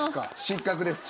失格です。